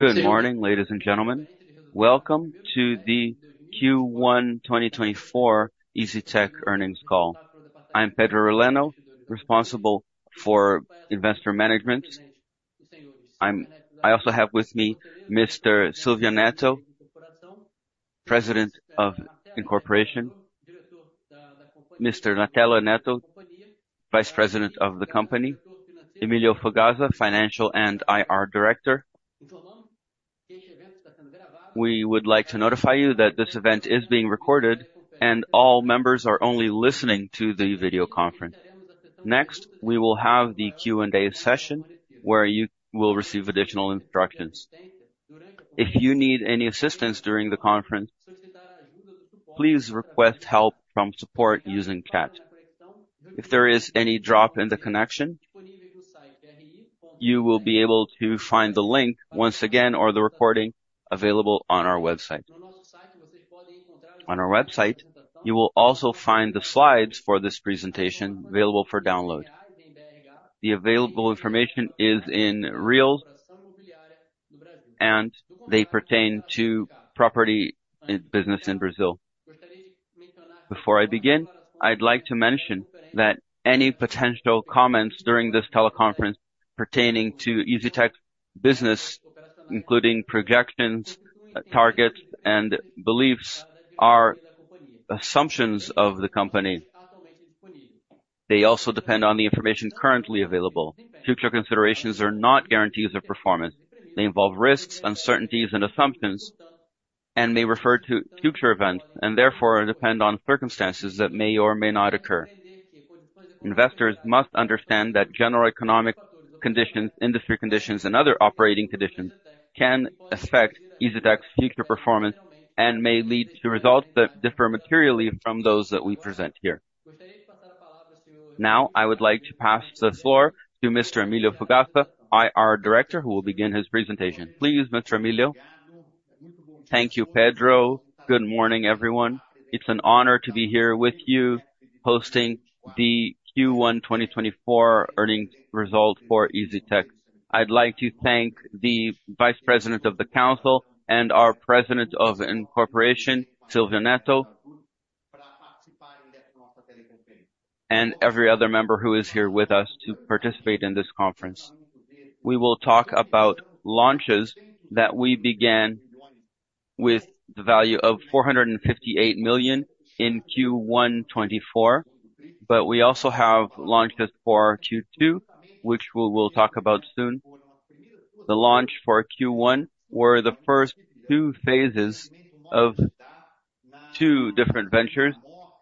Good morning, ladies and gentlemen. Welcome to the Q1 2024 EZTEC Earnings Call. I'm Pedro Orellana, responsible for investor management. I also have with me Mr. Silvio Neto, President of Incorporation, Mr. Natalio Neto, Vice President of the Company, Emílio Fugazza, Financial and IR Director. We would like to notify you that this event is being recorded and all members are only listening to the video conference. Next, we will have the Q&A session where you will receive additional instructions. If you need any assistance during the conference, please request help from support using chat. If there is any drop in the connection, you will be able to find the link once again or the recording available on our website. On our website, you will also find the slides for this presentation available for download. The available information is in reais, and they pertain to property and business in Brazil. Before I begin, I'd like to mention that any potential comments during this teleconference pertaining to EZTEC's business, including projections, targets, and beliefs, are assumptions of the company. They also depend on the information currently available. Future considerations are not guarantees of performance. They involve risks, uncertainties, and assumptions, and may refer to future events and therefore depend on circumstances that may or may not occur. Investors must understand that general economic conditions, industry conditions, and other operating conditions can affect EZTEC's future performance and may lead to results that differ materially from those that we present here. Now, I would like to pass the floor to Mr. Emílio Fugazza, IR Director, who will begin his presentation. Please, Mr. Emílio. Thank you, Pedro. Good morning, everyone. It's an honor to be here with you hosting the Q1 2024 earnings result for EZTEC. I'd like to thank the Vice President of the Council and our President of Incorporation, Silvio Neto, and every other member who is here with us to participate in this conference. We will talk about launches that we began with the value of 458 million in Q1 2024, but we also have launches for Q2, which we will talk about soon. The launch for Q1 were the first two phases of two different ventures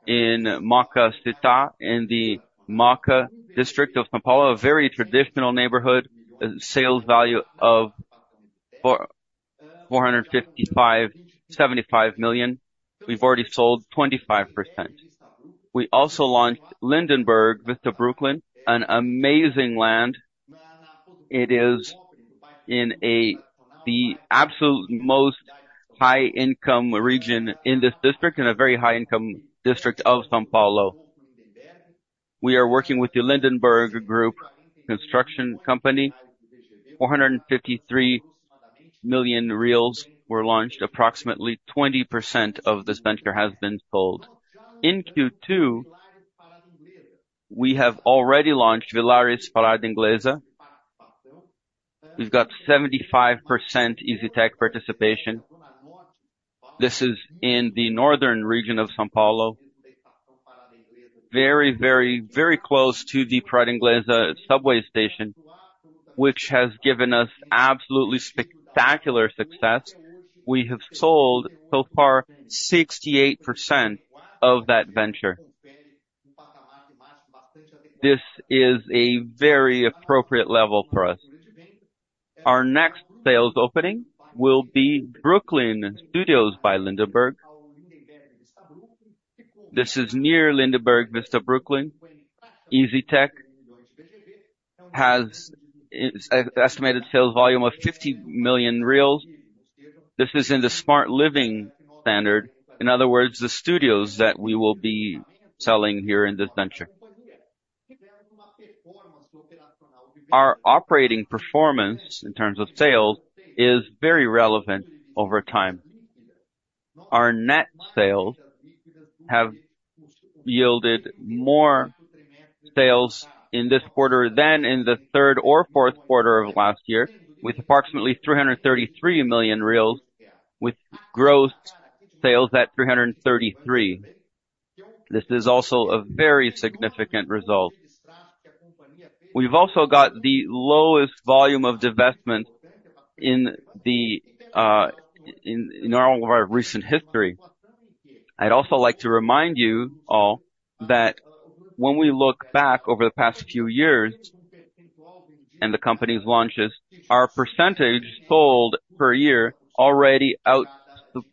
in Mooca Città and the Mooca District of São Paulo, a very traditional neighborhood, sales value of 475 million. We've already sold 25%. We also launched Lindenberg Vista Brooklin, an amazing land. It is in the absolute most high-income region in this district, in a very high-income district of São Paulo. We are working with the Lindenberg Group Construction Company. 453 million were launched. Approximately 20% of this venture has been sold. In Q2, we have already launched Villares Parada Inglesa. We've got 75% EZTEC participation. This is in the Northern Region of São Paulo, very, very, very close to the Parada Inglesa subway station, which has given us absolutely spectacular success. We have sold so far 68% of that venture. This is a very appropriate level for us. Our next sales opening will be Brooklin Studios by Lindenberg. This is near Lindenberg Vista Brooklin. EZTEC has an estimated sales volume of 50 million. This is in the Smart Living standard. In other words, the studios that we will be selling here in this venture. Our operating performance, in terms of sales, is very relevant over time. Our net sales have yielded more sales in this quarter than in the third or fourth quarter of last year, with approximately 333 million, with gross sales at 333. This is also a very significant result. We've also got the lowest volume of divestment in all of our recent history. I'd also like to remind you all that when we look back over the past few years and the company's launches, our percentage sold per year already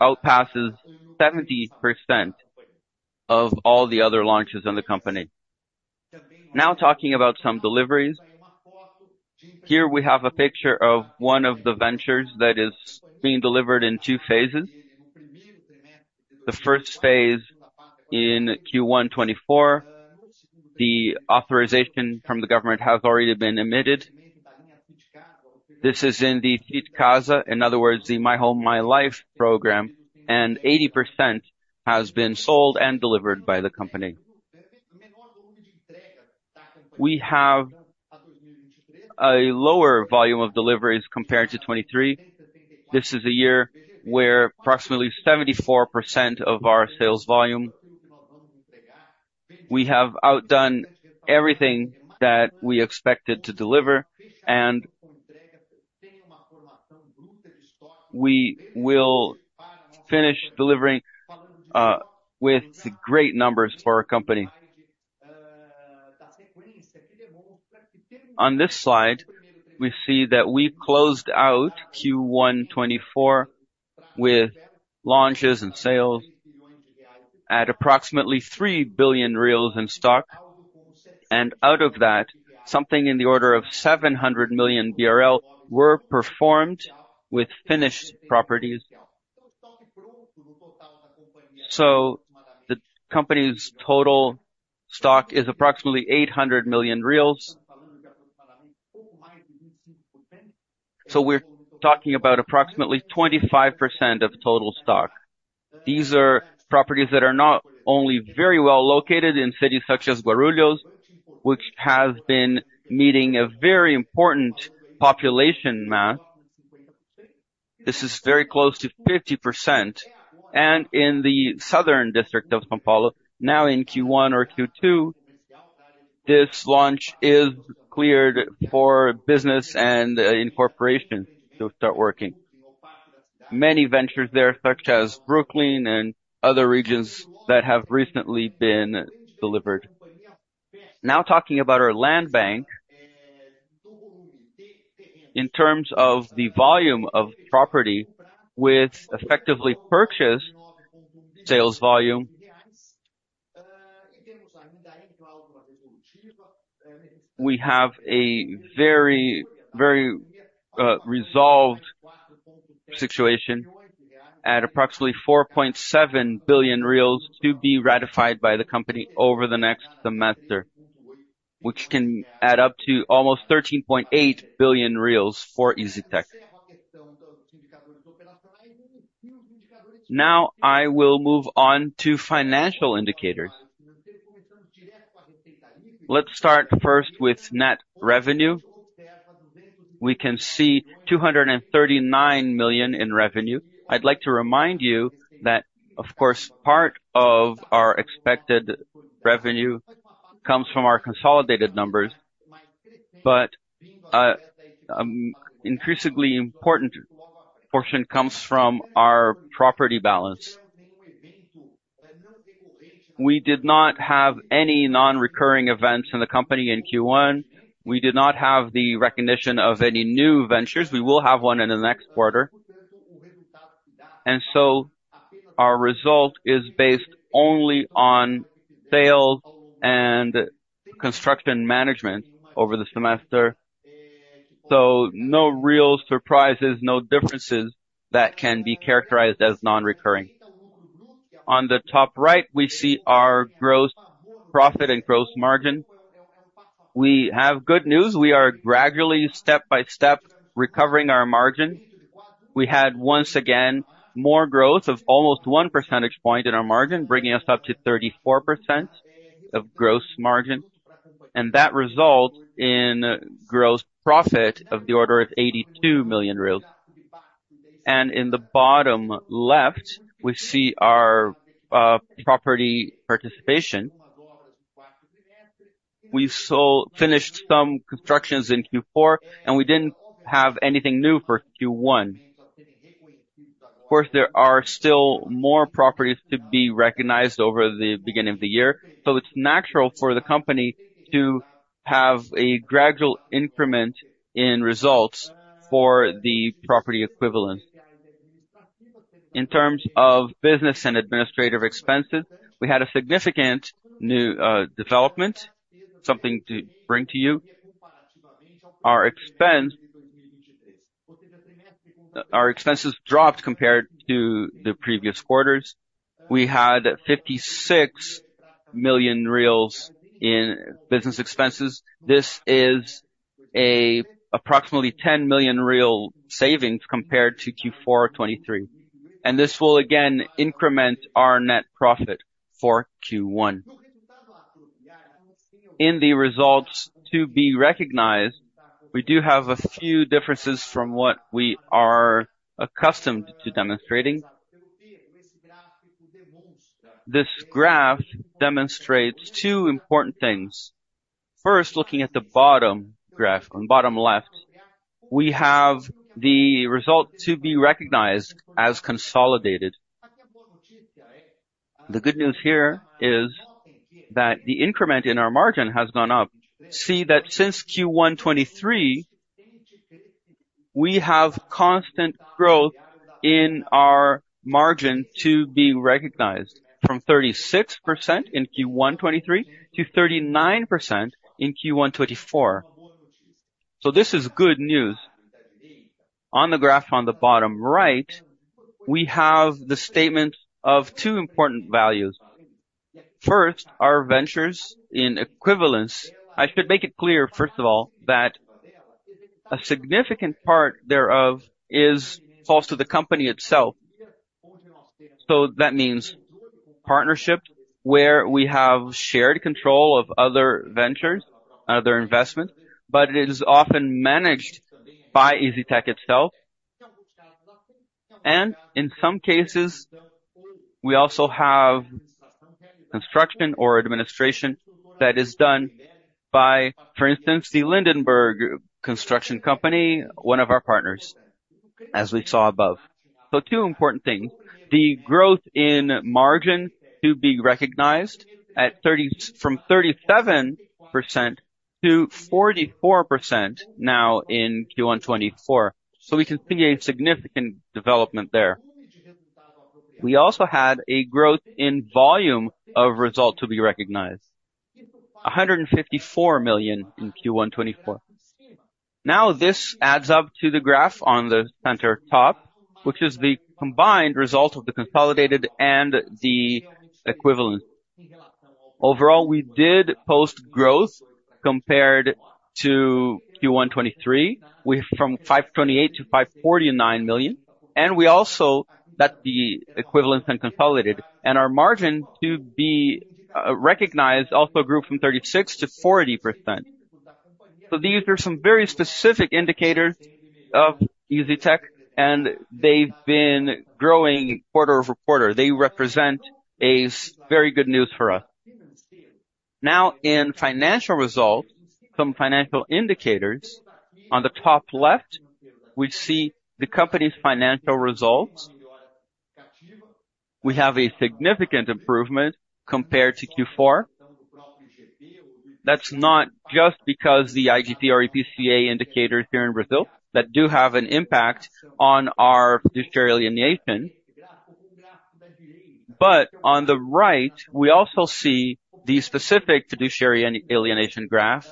outpasses 70% of all the other launches in the company. Now, talking about some deliveries, here we have a picture of one of the ventures that is being delivered in two phases. The first phase in Q1 2024, the authorization from the government has already been emitted. This is in the Fit Casa, in other words, the My Home, My Life program, and 80% has been sold and delivered by the company. We have a lower volume of deliveries compared to 2023. This is a year where approximately 74% of our sales volume. We have outdone everything that we expected to deliver, and we will finish delivering with great numbers for our company. On this slide, we see that we closed out Q1 2024 with launches and sales at approximately 3 billion reais in stock, and out of that, something in the order of 700 million BRL were performed with finished properties. So the company's total stock is approximately 800 million reais. So we're talking about approximately 25% of total stock. These are properties that are not only very well located in cities such as Guarulhos, which has been meeting a very important population mass. This is very close to 50%. And in the Southern District of São Paulo, now in Q1 or Q2, this launch is cleared for business and incorporations to start working. Many ventures there, such as Brooklin and other regions that have recently been delivered. Now, talking about our land bank, in terms of the volume of property with effectively purchased sales volume, we have a very, very resolved situation at approximately 4.7 billion reais to be ratified by the company over the next semester, which can add up to almost 13.8 billion reais for EZTEC. Now, I will move on to financial indicators. Let's start first with net revenue. We can see 239 million in revenue. I'd like to remind you that, of course, part of our expected revenue comes from our consolidated numbers, but an increasingly important portion comes from our property balance. We did not have any non-recurring events in the company in Q1. We did not have the recognition of any new ventures. We will have one in the next quarter. And so our result is based only on sales and construction management over the semester. So no real surprises, no differences that can be characterized as non-recurring. On the top right, we see our gross profit and gross margin. We have good news. We are gradually, step by step, recovering our margin. We had, once again, more growth of almost one percentage point in our margin, bringing us up to 34% of gross margin. And that results in gross profit of the order of 82 million reais. And in the bottom left, we see our property participation. We finished some constructions in Q4, and we didn't have anything new for Q1. Of course, there are still more properties to be recognized over the beginning of the year, so it's natural for the company to have a gradual increment in results for the property equivalent. In terms of business and administrative expenses, we had a significant new development, something to bring to you. Our expenses dropped compared to the previous quarters. We had 56 million reais in business expenses. This is approximately 10 million real savings compared to Q4 2023. This will, again, increment our net profit for Q1. In the results to be recognized, we do have a few differences from what we are accustomed to demonstrating. This graph demonstrates two important things. First, looking at the bottom graph, on the bottom left, we have the result to be recognized as consolidated. The good news here is that the increment in our margin has gone up. See that since Q1 2023, we have constant growth in our margin to be recognized, from 36% in Q1 2023 to 39% in Q1 2024. So this is good news. On the graph on the bottom right, we have the statement of two important values. First, our ventures in equivalence. I should make it clear, first of all, that a significant part thereof falls to the company itself. So that means partnerships where we have shared control of other ventures, other investments, but it is often managed by EZTEC itself. And in some cases, we also have construction or administration that is done by, for instance, the Lindenberg Construction Company, one of our partners, as we saw above. So two important things. The growth in margin to be recognized from 37%-44% now in Q1 2024. So we can see a significant development there. We also had a growth in volume of results to be recognized, 154 million in Q1 2024. Now, this adds up to the graph on the center top, which is the combined result of the consolidated and the equivalent. Overall, we did post growth compared to Q1 2023 from 528 million to 549 million, and we also got the equivalent and consolidated. And our margin to be recognized also grew from 36%-40%. So these are some very specific indicators of EZTEC, and they've been growing quarter-over-quarter. They represent very good news for us. Now, in financial results, some financial indicators. On the top left, we see the company's financial results. We have a significant improvement compared to Q4. That's not just because the IGP or IPCA indicators here in Brazil that do have an impact on our fiduciary alienation. But on the right, we also see the specific fiduciary alienation graph.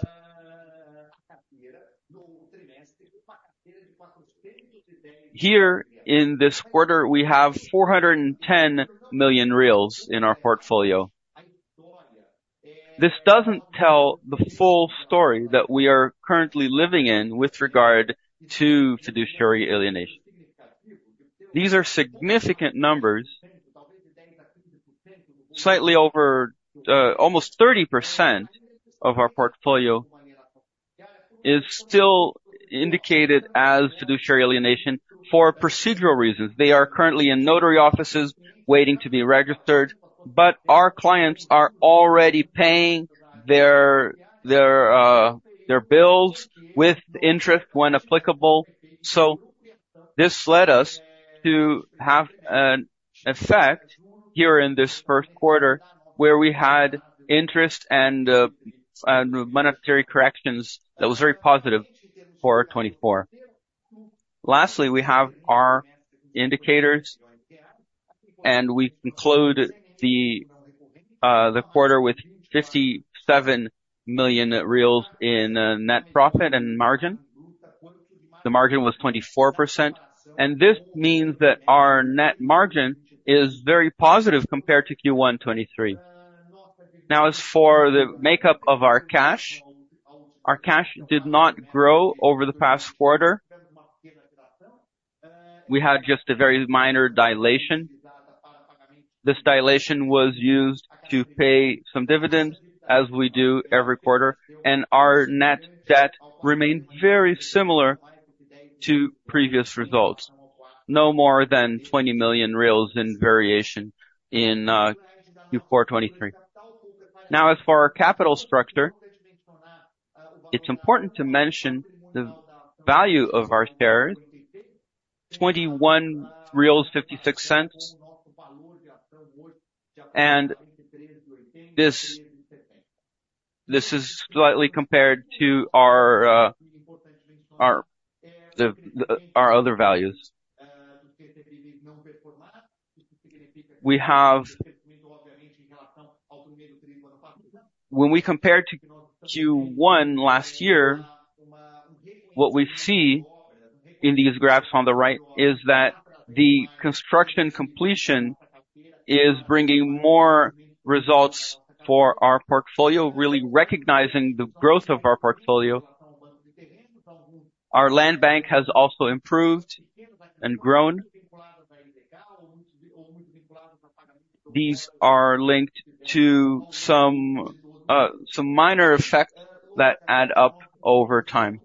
Here, in this quarter, we have 410 million reais in our portfolio. This doesn't tell the full story that we are currently living in with regard to fiduciary alienation. These are significant numbers. Slightly over almost 30% of our portfolio is still indicated as Fiduciary Alienation for procedural reasons. They are currently in notary offices waiting to be registered, but our clients are already paying their bills with interest when applicable. So this led us to have an effect here in this first quarter where we had interest and monetary corrections that was very positive for 2024. Lastly, we have our indicators, and we conclude the quarter with 57 million in net profit and margin. The margin was 24%. And this means that our net margin is very positive compared to Q1 2023. Now, as for the makeup of our cash, our cash did not grow over the past quarter. We had just a very minor dilation. This dilation was used to pay some dividends, as we do every quarter. Our net debt remained very similar to previous results, no more than 20 million in variation in Q4 2023. Now, as for our capital structure, it's important to mention the value of our shares, 21.56 reais. And this is slightly compared to our other values. When we compare to Q1 last year, what we see in these graphs on the right is that the construction completion is bringing more results for our portfolio, really recognizing the growth of our portfolio. Our land bank has also improved and grown. These are linked to some minor effects that add up over time.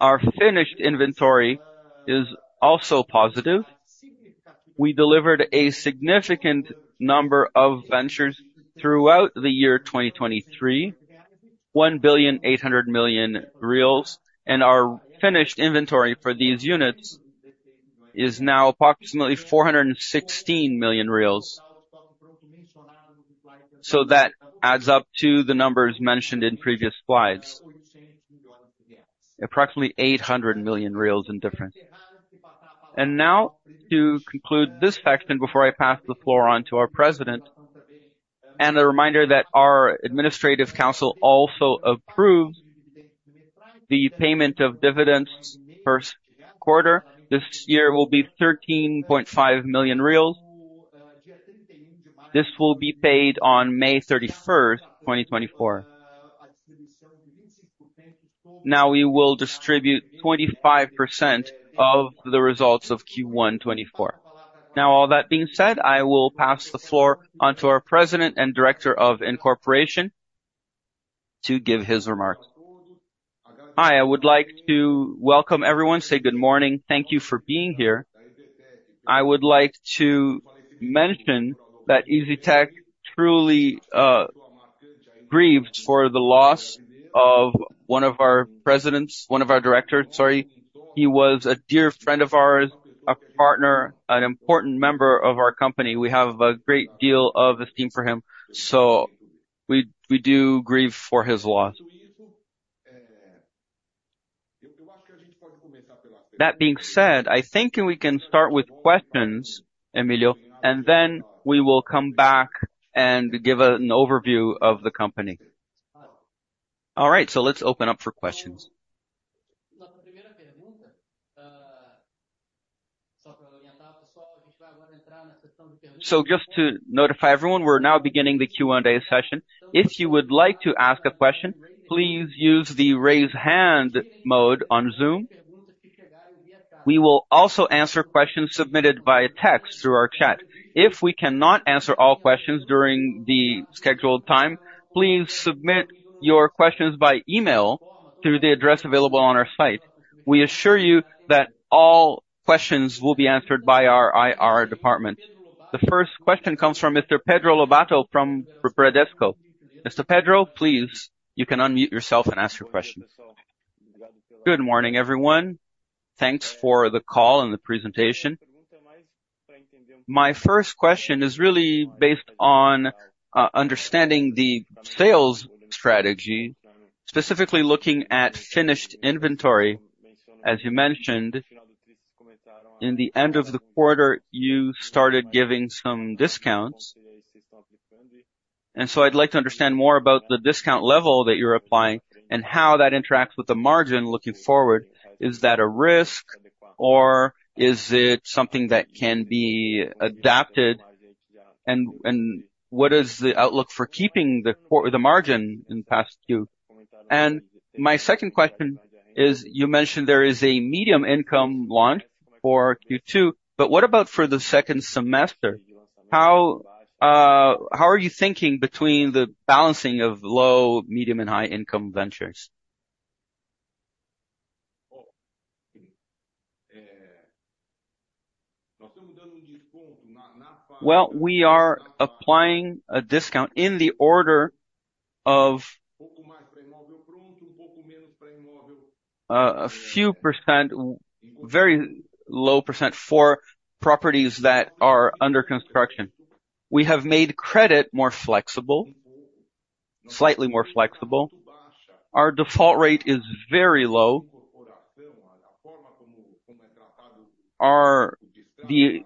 Our finished inventory is also positive. We delivered a significant number of ventures throughout the year 2023, 1.8 billion. And our finished inventory for these units is now approximately 416 million. So that adds up to the numbers mentioned in previous slides, approximately 800 million reais in difference. Now, to conclude this section before I pass the floor on to our president and a reminder that our administrative council also approved the payment of dividends per quarter, this year will be 13.5 million reais. This will be paid on May 31st, 2024. Now, we will distribute 25% of the results of Q1 2024. Now, all that being said, I will pass the floor on to our president and director of incorporation to give his remarks. Hi. I would like to welcome everyone, say good morning, thank you for being here. I would like to mention that EZTEC truly grieved for the loss of one of our presidents, one of our directors. Sorry. He was a dear friend of ours, a partner, an important member of our company. We have a great deal of esteem for him. So we do grieve for his loss. That being said, I think we can start with questions, Emílio, and then we will come back and give an overview of the company. All right. So let's open up for questions. So just to notify everyone, we're now beginning the Q&A session. If you would like to ask a question, please use the raise hand mode on Zoom. We will also answer questions submitted via text through our chat. If we cannot answer all questions during the scheduled time, please submit your questions by email through the address available on our site. We assure you that all questions will be answered by our IR department. The first question comes from Mr. Pedro Lobato from Bradesco. Mr. Pedro, please, you can unmute yourself and ask your question. Good morning, everyone. Thanks for the call and the presentation. My first question is really based on understanding the sales strategy, specifically looking at finished inventory. As you mentioned, in the end of the quarter, you started giving some discounts. And so I'd like to understand more about the discount level that you're applying and how that interacts with the margin looking forward. Is that a risk, or is it something that can be adapted? And what is the outlook for keeping the margin in the past Q? And my second question is, you mentioned there is a medium-income launch for Q2, but what about for the second semester? How are you thinking between the balancing of low, medium, and high-income ventures? Well, we are applying a discount in the order of a few %, very low %, for properties that are under construction. We have made credit more flexible, slightly more flexible. Our default rate is very low. The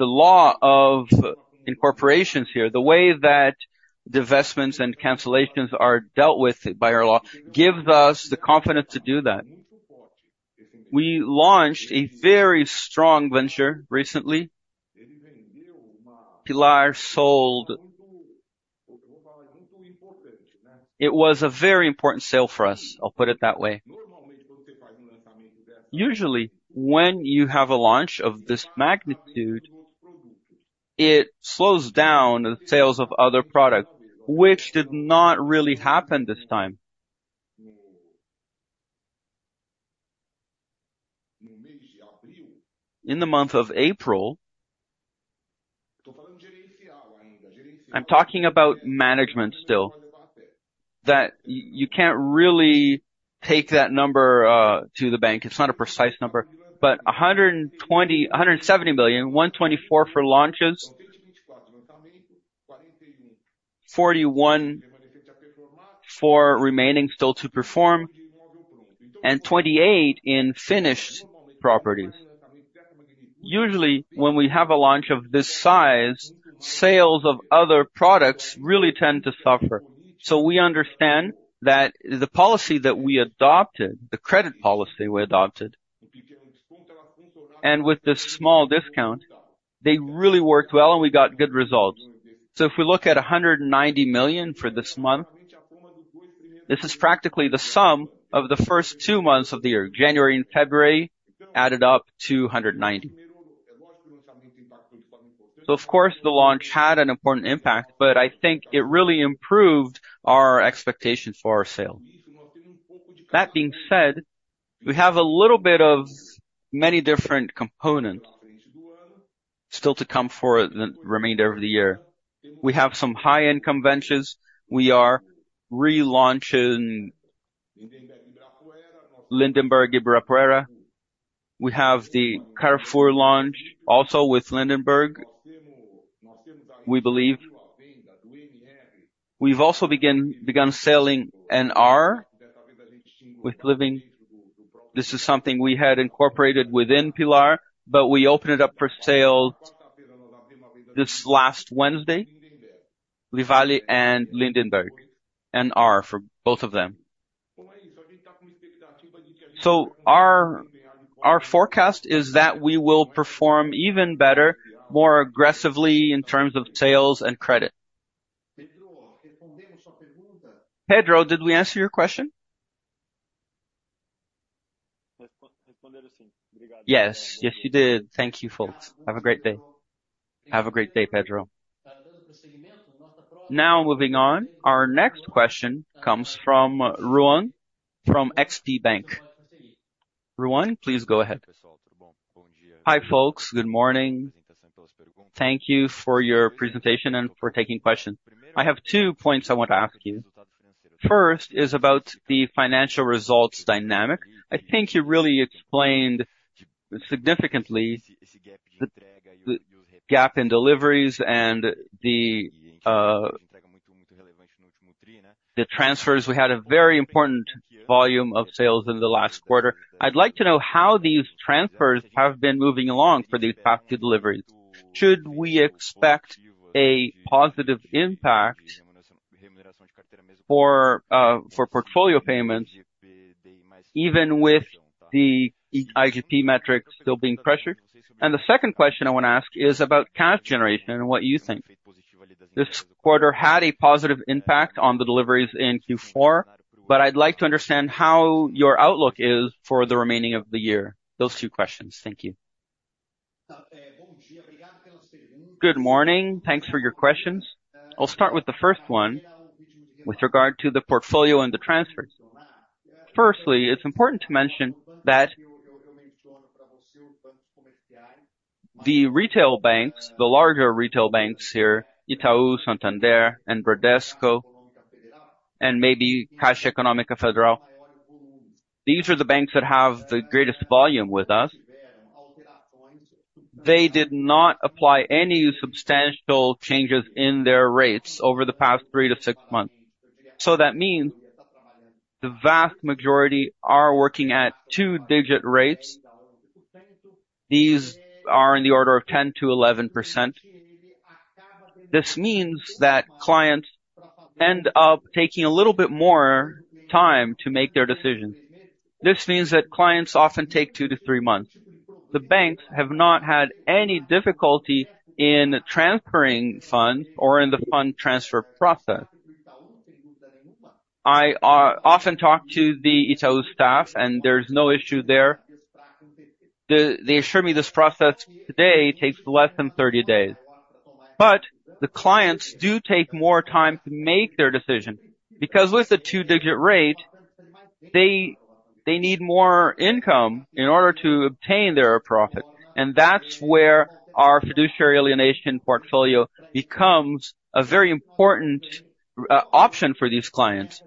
law of incorporations here, the way that divestments and cancellations are dealt with by our law, gives us the confidence to do that. We launched a very strong venture recently. It was a very important sale for us. I'll put it that way. Usually, when you have a launch of this magnitude, it slows down the sales of other products, which did not really happen this time. In the month of April, I'm talking about management still, that you can't really take that number to the bank. It's not a precise number, but 170 million, 124 million for launches, 41 million for remaining still to perform, and 28 million in finished properties. Usually, when we have a launch of this size, sales of other products really tend to suffer. So we understand that the policy that we adopted, the credit policy we adopted, and with this small discount, they really worked well, and we got good results. So if we look at 190 million for this month, this is practically the sum of the first two months of the year, January and February, added up to 190 million. So, of course, the launch had an important impact, but I think it really improved our expectations for our sale. That being said, we have a little bit of many different components still to come for the remainder of the year. We have some high-income ventures. We are relaunching Lindenberg Ibirapuera. We have the Carrefour launch also with Lindenberg, we believe. We've also begun selling NR with living. This is something we had incorporated within Pilar, but we opened it up for sale this last Wednesday, Livale and Lindenberg, NR for both of them. So our forecast is that we will perform even better, more aggressively in terms of sales and credit. Pedro, did we answer your question? Yes. Yes, you did. Thank you, folks. Have a great day. Have a great day, Pedro. Now, moving on, our next question comes from Ruan from XP Investimentos. Ruan, please go ahead. Hi, folks. Good morning. Thank you for your presentation and for taking questions. I have two points I want to ask you. First is about the financial results dynamic. I think you really explained significantly the gap in deliveries and the transfers. We had a very important volume of sales in the last quarter. I'd like to know how these transfers have been moving along for these past two deliveries. Should we expect a positive impact for portfolio payments even with the IGP metrics still being pressured? And the second question I want to ask is about cash generation and what you think. This quarter had a positive impact on the deliveries in Q4, but I'd like to understand how your outlook is for the remaining of the year. Those two questions. Thank you. Good morning. Thanks for your questions. I'll start with the first one with regard to the portfolio and the transfers. Firstly, it's important to mention that the retail banks, the larger retail banks here, Itaú, Santander, and Bradesco, and maybe Caixa Econômica Federal, these are the banks that have the greatest volume with us. They did not apply any substantial changes in their rates over the past 3-6 months. That means the vast majority are working at two-digit rates. These are in the order of 10%-11%. This means that clients end up taking a little bit more time to make their decisions. This means that clients often take 2-3 months. The banks have not had any difficulty in transferring funds or in the fund transfer process. I often talk to the Itaú staff, and there's no issue there. They assured me this process today takes less than 30 days. But the clients do take more time to make their decision because with the two-digit rate, they need more income in order to obtain their profit. That's where our fiduciary alienation portfolio becomes a very important option for these clients.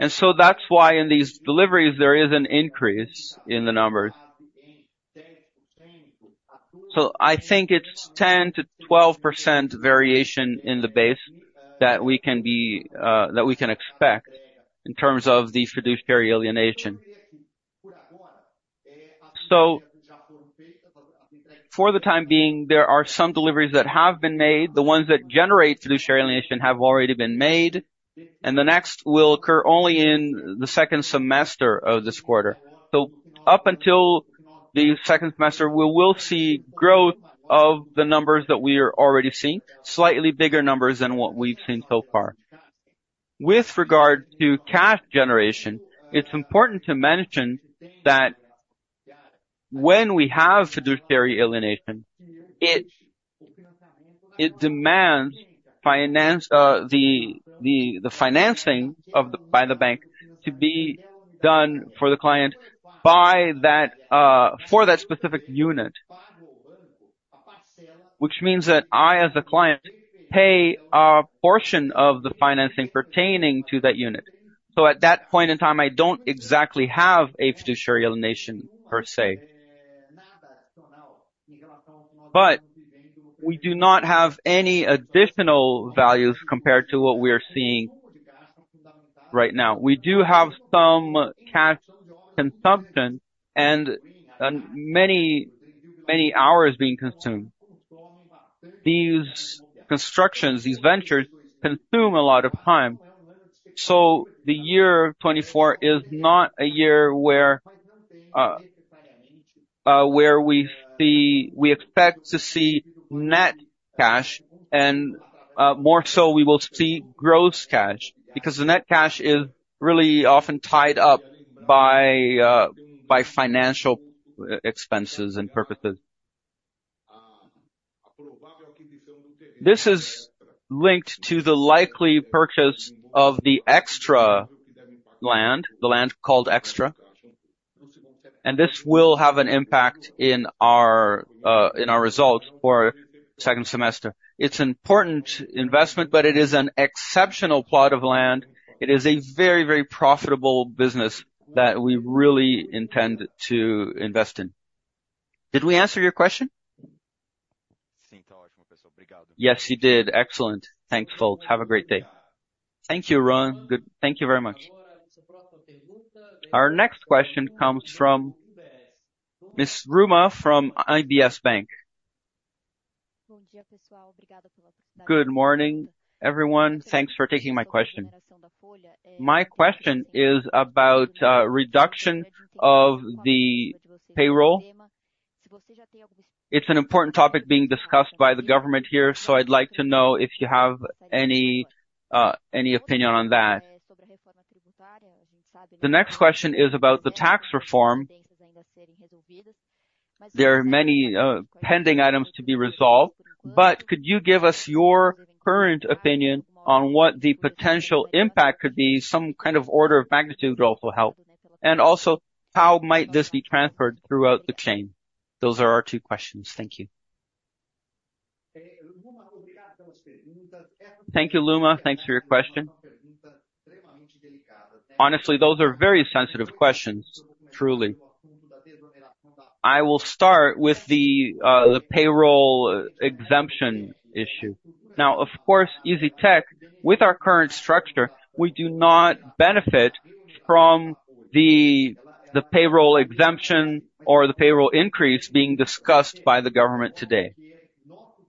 That's why in these deliveries, there is an increase in the numbers. So I think it's 10%-12% variation in the base that we can expect in terms of the Fiduciary Alienation. So for the time being, there are some deliveries that have been made. The ones that generate Fiduciary Alienation have already been made. And the next will occur only in the second semester of this quarter. So up until the second semester, we will see growth of the numbers that we are already seeing, slightly bigger numbers than what we've seen so far. With regard to cash generation, it's important to mention that when we have fiduciary alienation, it demands the financing by the bank to be done for the client for that specific unit, which means that I, as the client, pay a portion of the financing pertaining to that unit. So at that point in time, I don't exactly have a fiduciary alienation per se. But we do not have any additional values compared to what we are seeing right now. We do have some cash consumption and many, many hours being consumed. These constructions, these ventures consume a lot of time. So the year 2024 is not a year where we expect to see net cash, and more so, we will see gross cash because the net cash is really often tied up by financial expenses and purposes. This is linked to the likely purchase of the extra land, the land called extra. This will have an impact in our results for the second semester. It's an important investment, but it is an exceptional plot of land. It is a very, very profitable business that we really intend to invest in. Did we answer your question? Yes, you did. Excellent. Thanks, folks. Have a great day. Thank you, Ruan. Thank you very much. Our next question comes from Ms. Luna from UBS BB. Good morning, everyone. Thanks for taking my question. My question is about reduction of the payroll. It's an important topic being discussed by the government here, so I'd like to know if you have any opinion on that. The next question is about the tax reform. There are many pending items to be resolved, but could you give us your current opinion on what the potential impact could be, some kind of order of magnitude would also help, and also how might this be transferred throughout the chain? Those are our two questions. Thank you. Thank you, Luna. Thanks for your question. Honestly, those are very sensitive questions, truly. I will start with the payroll exemption issue. Now, of course, EZTEC, with our current structure, we do not benefit from the payroll exemption or the payroll increase being discussed by the government today.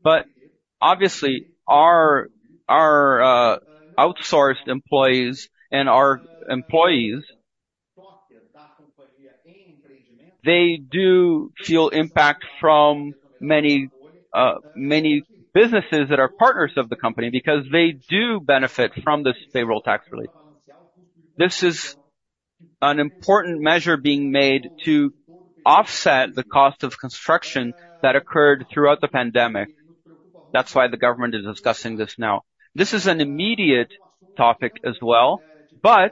But obviously, our outsourced employees and our employees, they do feel impact from many businesses that are partners of the company because they do benefit from this payroll tax relief. This is an important measure being made to offset the cost of construction that occurred throughout the pandemic. That's why the government is discussing this now. This is an immediate topic as well, but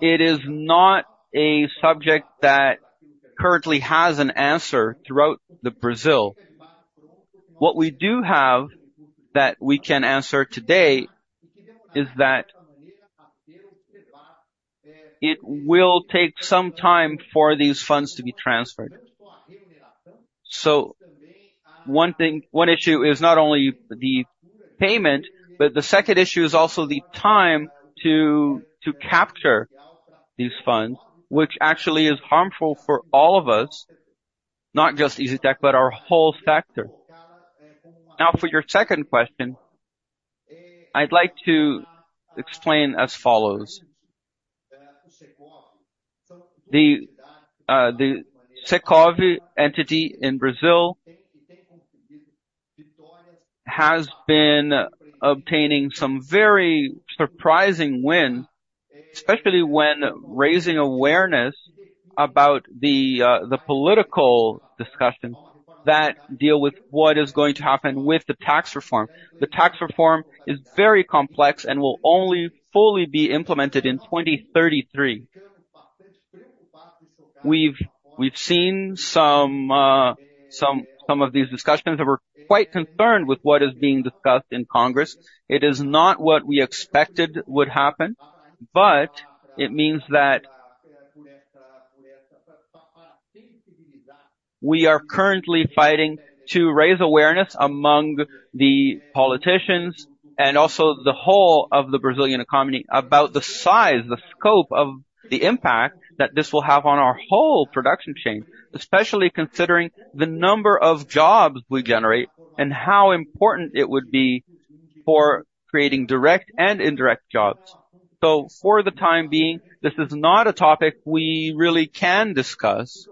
it is not a subject that currently has an answer throughout Brazil. What we do have that we can answer today is that it will take some time for these funds to be transferred. So one issue is not only the payment, but the second issue is also the time to capture these funds, which actually is harmful for all of us, not just EZTEC, but our whole sector. Now, for your second question, I'd like to explain as follows. The Secovi-SP entity in Brazil has been obtaining some very surprising wins, especially when raising awareness about the political discussions that deal with what is going to happen with the tax reform. The tax reform is very complex and will only fully be implemented in 2033. We've seen some of these discussions and we're quite concerned with what is being discussed in Congress. It is not what we expected would happen, but it means that we are currently fighting to raise awareness among the politicians and also the whole of the Brazilian economy about the size, the scope of the impact that this will have on our whole production chain, especially considering the number of jobs we generate and how important it would be for creating direct and indirect jobs. So for the time being, this is not a topic we really can discuss.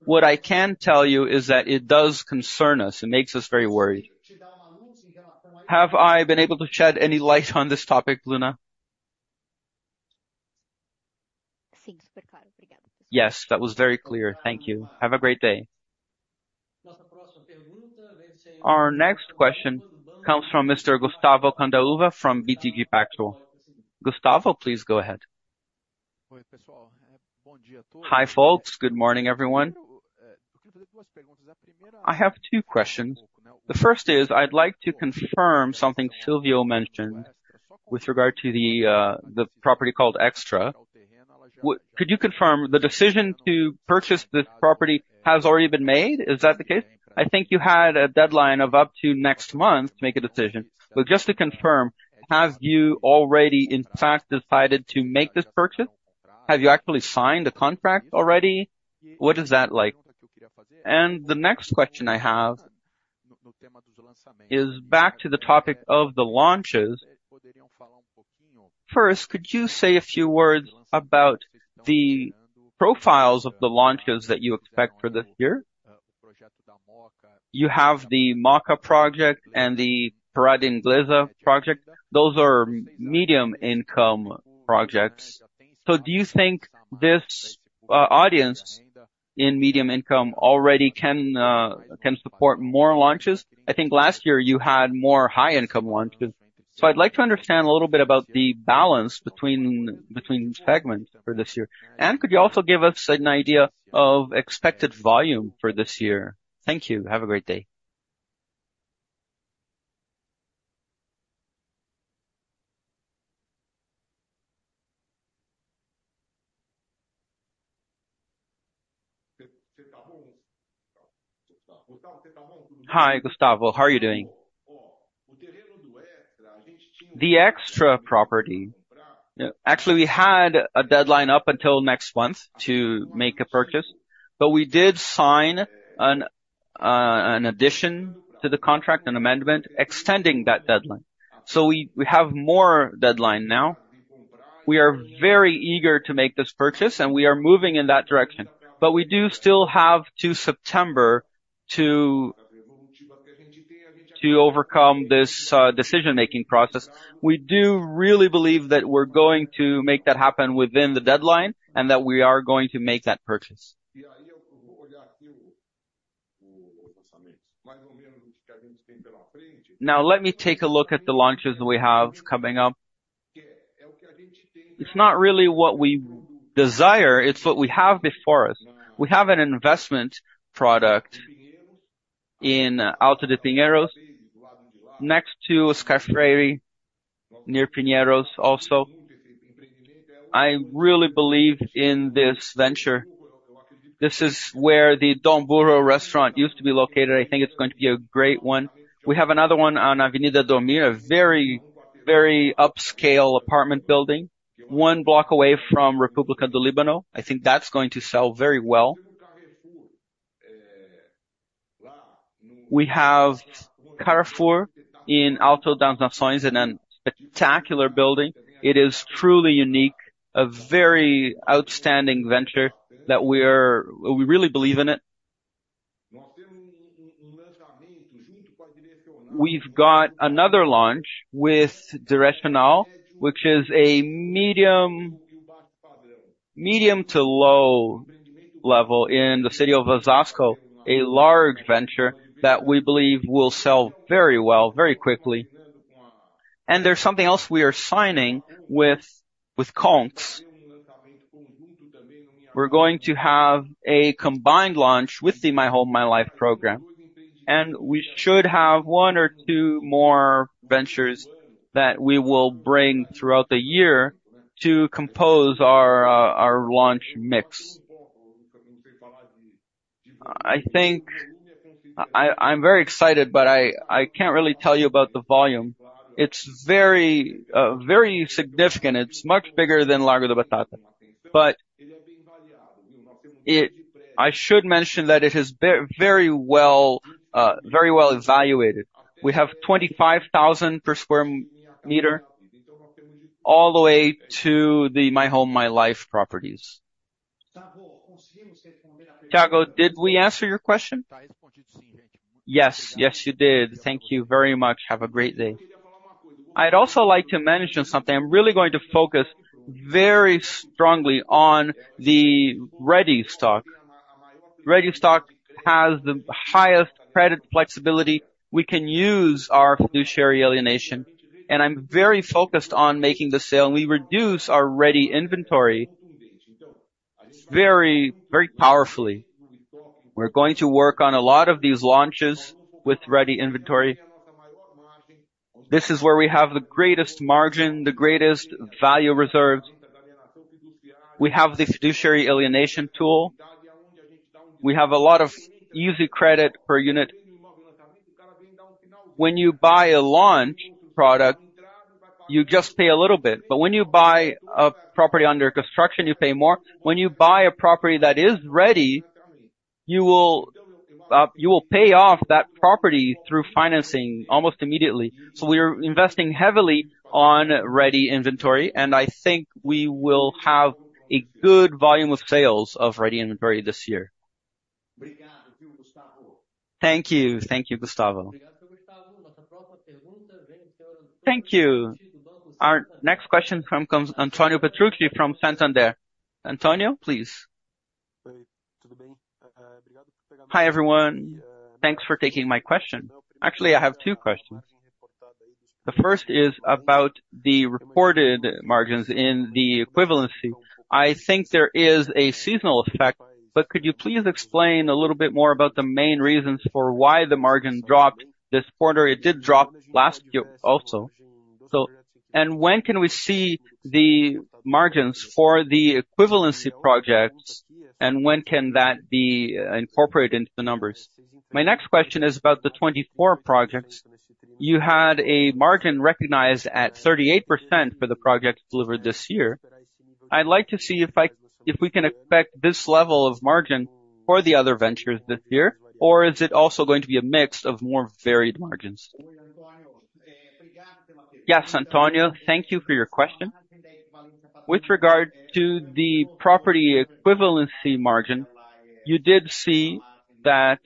What I can tell you is that it does concern us. It makes us very worried. Have I been able to shed any light on this topic, Luna? Yes, that was very clear. Thank you. Have a great day. Our next question comes from Mr. Gustavo Cambaúva from BTG Pactual. Gustavo, please go ahead. Hi, folks. Good morning, everyone. I have two questions. The first is I'd like to confirm something Silvio mentioned with regard to the property called Extra. Could you confirm the decision to purchase this property has already been made? Is that the case? I think you had a deadline of up to next month to make a decision. But just to confirm, have you already, in fact, decided to make this purchase? Have you actually signed a contract already? What is that like? And the next question I have is back to the topic of the launches. First, could you say a few words about the profiles of the launches that you expect for this year? You have the Mooca project and the Parada Inglesa project. Those are medium-income projects. So do you think this audience in medium-income already can support more launches? I think last year you had more high-income launches. I'd like to understand a little bit about the balance between segments for this year. Could you also give us an idea of expected volume for this year? Thank you. Have a great day. Hi, Gustavo. How are you doing? The extra property, actually, we had a deadline up until next month to make a purchase, but we did sign an addition to the contract, an amendment, extending that deadline. So we have more deadline now. We are very eager to make this purchase, and we are moving in that direction. But we do still have to September to overcome this decision-making process. We do really believe that we're going to make that happen within the deadline and that we are going to make that purchase. Now, let me take a look at the launches that we have coming up. It's not really what we desire. It's what we have before us. We have an investment product in Alto de Pinheiros, next to Zaffari, near Pinheiros also. I really believe in this venture. This is where the Don Curro restaurant used to be located. I think it's going to be a great one. We have another one on Avenida Dormir, a very, very upscale apartment building, one block away from República do Líbano. I think that's going to sell very well. We have Carrefour in Alto das Nações, and a spectacular building. It is truly unique, a very outstanding venture that we really believe in it. We've got another launch with Direcional, which is a medium to low level in the city of Osasco, a large venture that we believe will sell very well, very quickly. And there's something else we are signing with Conx. We're going to have a combined launch with the My Home, My Life program. And we should have one or two more ventures that we will bring throughout the year to compose our launch mix. I'm very excited, but I can't really tell you about the volume. It's very significant. It's much bigger than Largo da Batata. But I should mention that it is very well evaluated. We have 25,000 per square meter all the way to the My Home, My Life properties. Thiago, did we answer your question? Yes, yes, you did. Thank you very much. Have a great day. I'd also like to mention something. I'm really going to focus very strongly on the Ready stock. Ready stock has the highest credit flexibility. We can use our fiduciary alienation. I'm very focused on making the sale, and we reduce our Ready inventory very powerfully. We're going to work on a lot of these launches with Ready inventory. This is where we have the greatest margin, the greatest value reserves. We have the fiduciary alienation tool. We have a lot of easy credit per unit. When you buy a launch product, you just pay a little bit. But when you buy a property under construction, you pay more. When you buy a property that is ready, you will pay off that property through financing almost immediately. So we are investing heavily on Ready inventory, and I think we will have a good volume of sales of Ready inventory this year. Thank you. Thank you, Gustavo. Thank you. Our next question comes from Antonio, please. Hi, everyone. Thanks for taking my question. Actually, I have two questions. The first is about the reported margins in the equivalency. I think there is a seasonal effect, but could you please explain a little bit more about the main reasons for why the margin dropped this quarter? It did drop last year also. And when can we see the margins for the equivalency projects, and when can that be incorporated into the numbers? My next question is about the 24 projects. You had a margin recognized at 38% for the projects delivered this year. I'd like to see if we can expect this level of margin for the other ventures this year, or is it also going to be a mix of more varied margins? Yes, Antonio, thank you for your question. With regard to the property equivalency margin, you did see that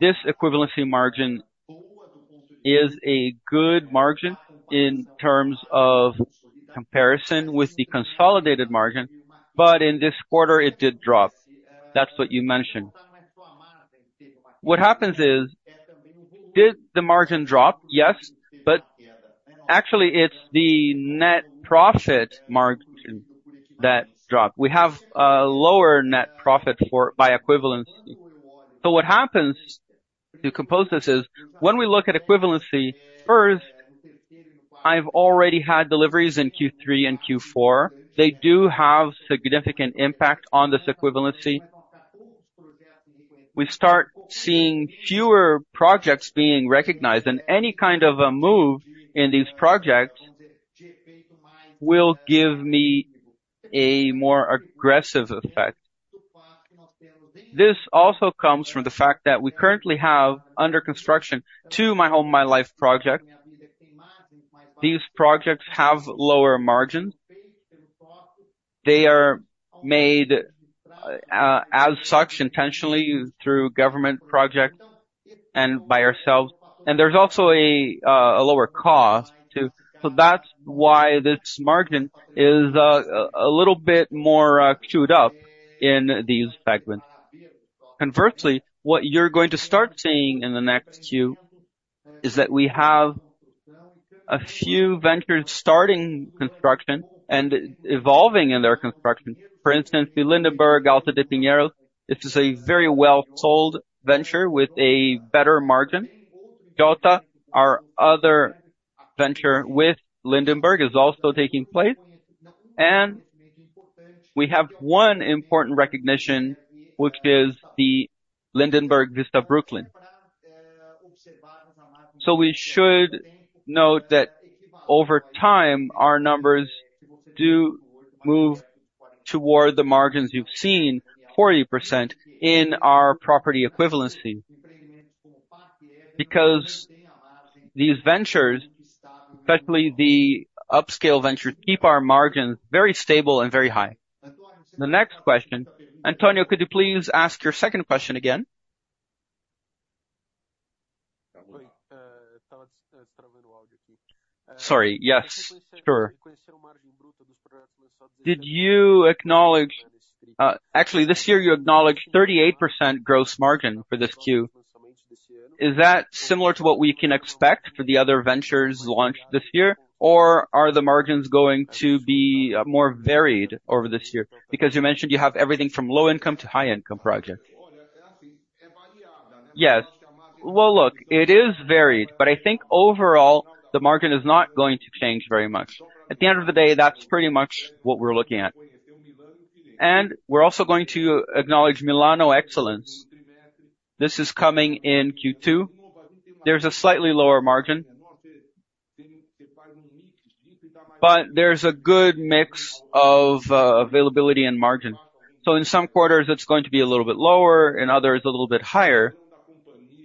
this equivalency margin is a good margin in terms of comparison with the consolidated margin, but in this quarter, it did drop. That's what you mentioned. What happens is, did the margin drop? Yes, but actually, it's the net profit margin that dropped. We have a lower net profit by equivalency. So what happens to compose this is, when we look at equivalency, first, I've already had deliveries in Q3 and Q4. They do have significant impact on this equivalency. We start seeing fewer projects being recognized, and any kind of a move in these projects will give me a more aggressive effect. This also comes from the fact that we currently have under construction two My Home, My Life projects. These projects have lower margins. They are made as such intentionally through government projects and by ourselves. There's also a lower cost too. So that's why this margin is a little bit more chewed up in these segments. Conversely, what you're going to start seeing in the next few is that we have a few ventures starting construction and evolving in their construction. For instance, the Lindenberg, Alto de Pinheiros. This is a very well-sold venture with a better margin. Jota, our other venture with Lindenberg, is also taking place. And we have one important recognition, which is the Lindenberg Vista Brooklin. So we should note that over time, our numbers do move toward the margins you've seen, 40%, in our property equivalency because these ventures, especially the upscale ventures, keep our margins very stable and very high. The next question, Antonio, could you please ask your second question again? Sorry. Yes. Sure. Did you acknowledge, actually, this year, you acknowledged 38% gross margin for this Q? Is that similar to what we can expect for the other ventures launched this year, or are the margins going to be more varied over this year? Because you mentioned you have everything from low-income to high-income projects. Yes. Well, look, it is varied, but I think overall, the margin is not going to change very much. At the end of the day, that's pretty much what we're looking at. And we're also going to acknowledge Milano Excellence. This is coming in Q2. There's a slightly lower margin, but there's a good mix of availability and margin. So in some quarters, it's going to be a little bit lower. In others, a little bit higher.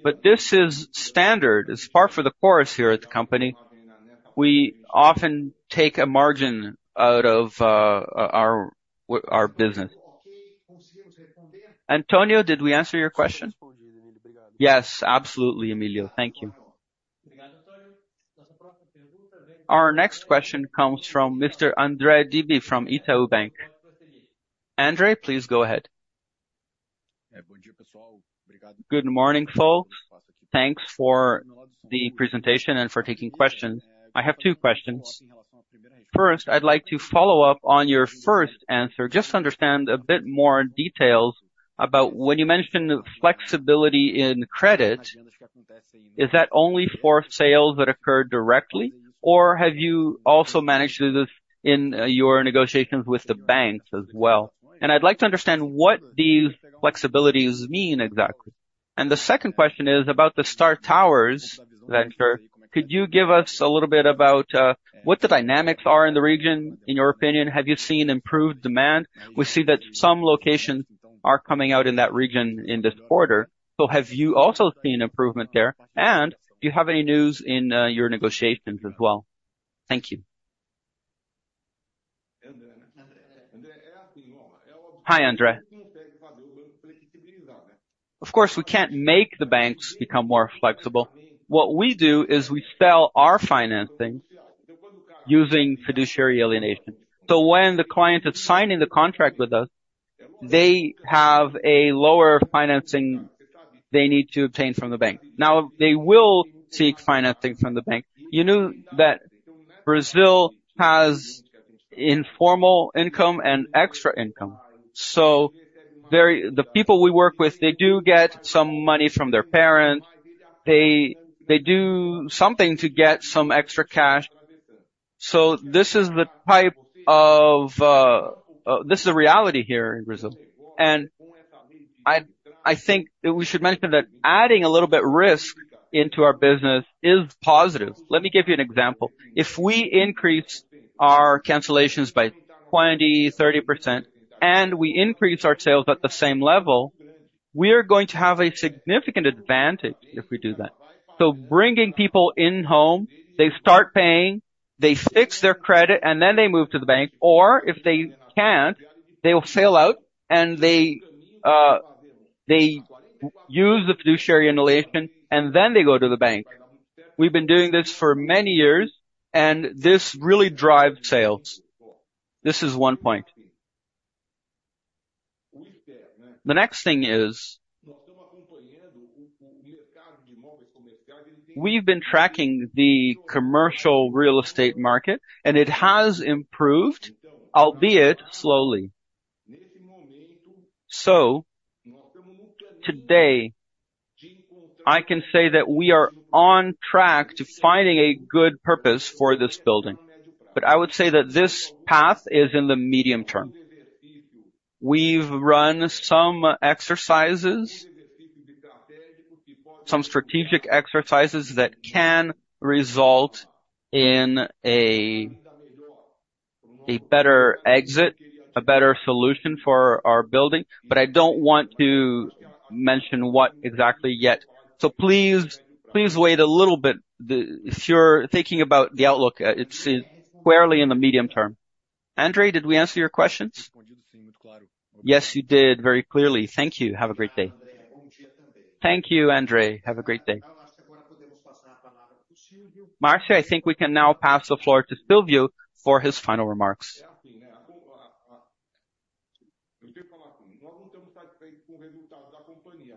But this is standard. It's far from the course here at the company. We often take a margin out of our business. Antonio, did we answer your question? Yes, absolutely, Emílio. Thank you. Our next question comes from Mr. André Dibe from Itaú BBA. André, please go ahead. Good morning, folks. Thanks for the presentation and for taking questions. I have two questions. First, I'd like to follow up on your first answer, just to understand a bit more details about when you mentioned flexibility in credit, is that only for sales that occur directly, or have you also managed this in your negotiations with the banks as well? And I'd like to understand what these flexibilities mean exactly. And the second question is about the Star Towers venture. Could you give us a little bit about what the dynamics are in the region, in your opinion? Have you seen improved demand? We see that some locations are coming out in that region in this quarter. So have you also seen improvement there? And do you have any news in your negotiations as well? Thank you. Hi, André. Of course, we can't make the banks become more flexible. What we do is we sell our financing using fiduciary alienation. So when the client is signing the contract with us, they have a lower financing they need to obtain from the bank. Now, they will seek financing from the bank. You know that Brazil has informal income and extra income. So the people we work with, they do get some money from their parents. They do something to get some extra cash. So this is the type of the reality here in Brazil. And I think we should mention that adding a little bit of risk into our business is positive. Let me give you an example. If we increase our cancellations by 20%-30%, and we increase our sales at the same level, we are going to have a significant advantage if we do that. So bringing people in home, they start paying, they fix their credit, and then they move to the bank. Or if they can't, they will sell out, and they use the fiduciary alienation, and then they go to the bank. We've been doing this for many years, and this really drives sales. This is one point. The next thing is, we've been tracking the commercial real estate market, and it has improved, albeit slowly. So today, I can say that we are on track to finding a good purpose for this building. But I would say that this path is in the medium term. We've run some strategic exercises that can result in a better exit, a better solution for our building, but I don't want to mention what exactly yet. So please wait a little bit. If you're thinking about the outlook, it's clearly in the medium term. André, did we answer your questions? Yes, you did, very clearly. Thank you. Have a great day. Thank you, André. Have a great day. Marco, I think we can now pass the floor to Silvio for his final remarks.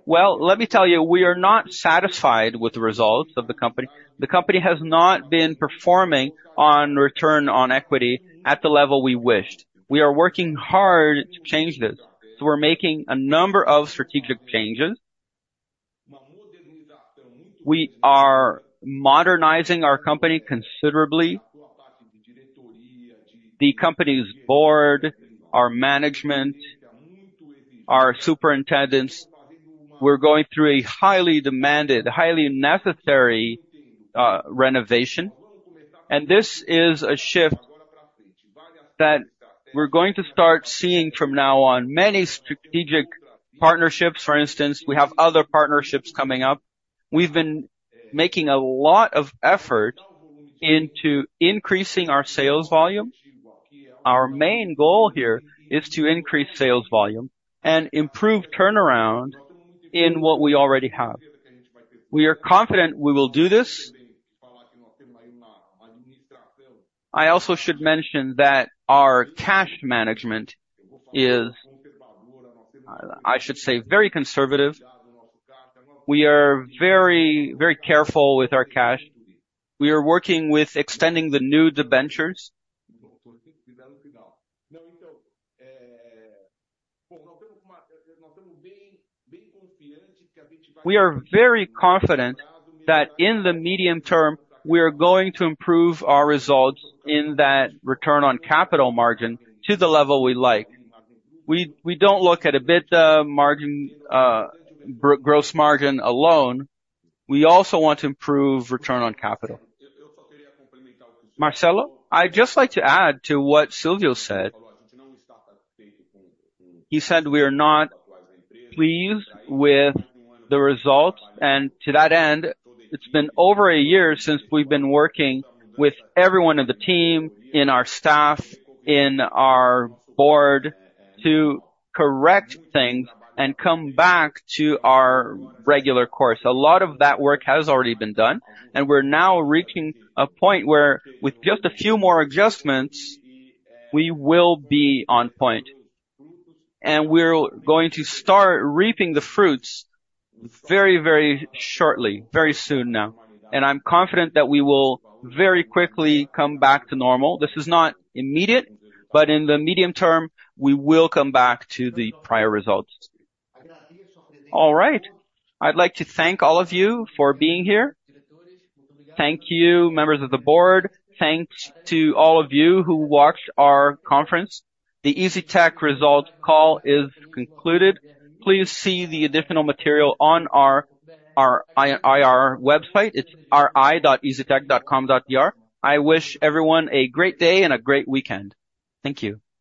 Well, let me tell you, we are not satisfied with the results of the company. The company has not been performing on return on equity at the level we wished. We are working hard to change this. So we're making a number of strategic changes. We are modernizing our company considerably. The company's board, our management, our superintendents. We're going through a highly demanded, highly necessary renovation. This is a shift that we're going to start seeing from now on many strategic partnerships. For instance, we have other partnerships coming up. We've been making a lot of effort into increasing our sales volume. Our main goal here is to increase sales volume and improve turnaround in what we already have. We are confident we will do this. I also should mention that our cash management is, I should say, very conservative. We are very careful with our cash. We are working with extending the maturities of ventures. We are very confident that in the medium term, we are going to improve our results in that return on capital margin to the level we like. We don't look at EBITDA margin, gross margin alone. We also want to improve return on capital. Marcelo, I'd just like to add to what Silvio said. He said we are not pleased with the results. And to that end, it's been over a year since we've been working with everyone in the team, in our staff, in our board to correct things and come back to our regular course. A lot of that work has already been done, and we're now reaching a point where, with just a few more adjustments, we will be on point. And we're going to start reaping the fruits very, very shortly, very soon now. And I'm confident that we will very quickly come back to normal. This is not immediate, but in the medium term, we will come back to the prior results. All right. I'd like to thank all of you for being here. Thank you, members of the board. Thanks to all of you who watched our conference. The EZTEC Results call is concluded. Please see the additional material on our website. It's ri.eztec.com.br. I wish everyone a great day and a great weekend. Thank you.